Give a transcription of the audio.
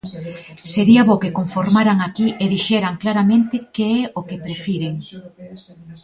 Sería bo que conformaran aquí e dixeran claramente que é o que prefiren.